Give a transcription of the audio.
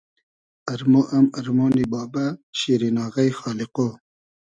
ارمۉ ام ارمۉنی بابۂ ، شیرین آغݷ ، خالیقۉ